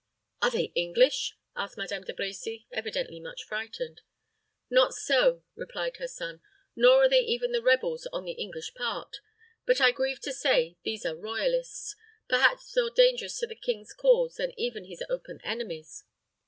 "Are they English?" asked Madame De Brecy, evidently much frightened. "Not so," replied her son; "nor are they even the rebels on the English part; but I grieve to say these are Royalists, perhaps more dangerous to the king's cause than even his open enemies.